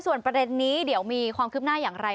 ส่วนประเด็นนี้เดี๋ยวมีความคืบหน้าอย่างไร